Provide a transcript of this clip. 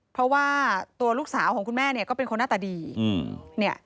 เพราะว่าตัวลูกสาวของคุณแม่เนี่ยก็เป็นคนหน้าตาดี